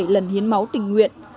lần hiến máu tỉnh huyện